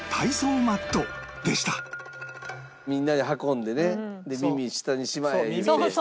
みんなで運んでね「耳下にしまえ」言うて。